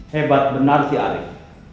hebat benar si arief